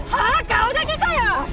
顔だけかよ！